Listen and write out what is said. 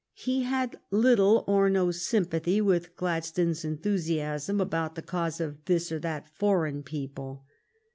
He had little or no sympathy with Gladstones enthusiasm about the cause of this or that foreign people.